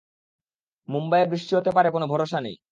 মুম্বাইয়ে বৃষ্টি হতে পারে কোন ভরসা নেই।